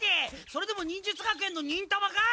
それでも忍術学園の忍たまか？